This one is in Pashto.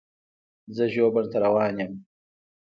زه ژوبڼ ته روان یم.